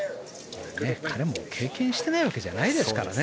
彼も経験してないわけじゃないですからね。